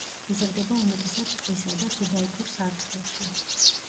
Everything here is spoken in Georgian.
იზრდება უმეტესად ტყისა და სუბალპურ სარტყელში.